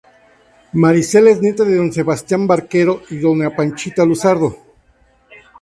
Marisela es nieta de don Sebastian Barquero y doña Panchita Luzardo.